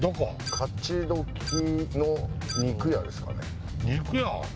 勝どきの肉屋ですかね肉屋？